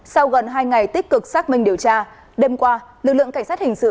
sau gần hai ngày tích cực xác minh điều tra đêm qua lực lượng cảnh sát hình sự